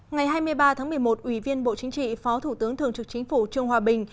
ngày hai mươi ba tháng một mươi một ủy viên bộ chính trị phó thủ tướng thường trực chính phủ trương hòa bình